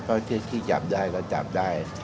ก็ที่จับได้ก็จับได้